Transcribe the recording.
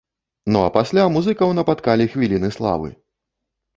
Ну а пасля музыкаў напаткалі хвіліны славы!